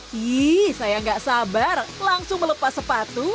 hy saya gak sabar langsung melepas sepatu